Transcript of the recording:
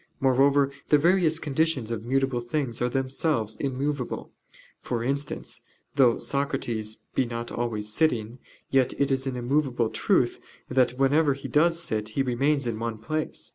Moreover the various conditions of mutable things are themselves immovable; for instance, though Socrates be not always sitting, yet it is an immovable truth that whenever he does sit he remains in one place.